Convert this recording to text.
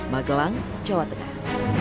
magelang jawa tengah